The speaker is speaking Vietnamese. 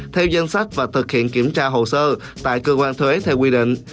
theo danh sách và thực hiện kiểm tra hồ sơ tại cơ quan thuế theo quy định